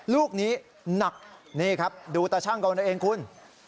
ลูกนี้หนักนี่ครับดูแต่ช่างกับวันเองคุณ